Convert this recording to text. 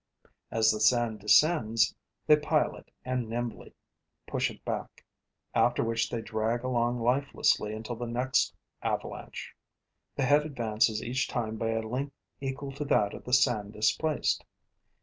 As the sand descends, they pile it and nimbly push it back, after which they drag along lifelessly until the next avalanche. The head advances each time by a length equal to that of the sand displaced.